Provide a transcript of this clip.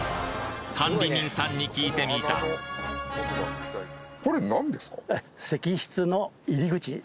管理人さんに聞いてみた石室？